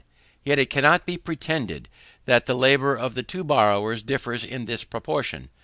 Yet it cannot be pretended that the labour of the two borrowers differs in this proportion.